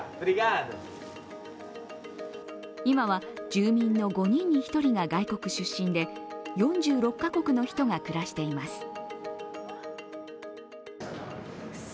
今は住民の５人に１人が外国出身で、４６カ国の人が暮らしています。